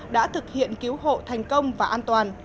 đã cứu hộ thành công và an toàn